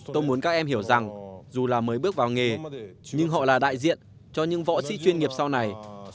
tôi muốn các em hiểu rằng dù là mới bước vào nghề nhưng họ là đại diện cho những võ sĩ chuyên nghiệp sau này